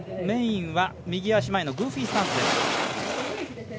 メインは右足前のグーフィースタンス。